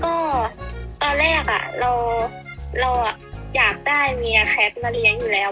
ก็ตอนแรกเราอยากได้เมียแคทมาเลี้ยงอยู่แล้ว